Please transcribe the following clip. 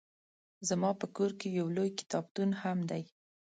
زما په کور کې يو لوی کتابتون هم دی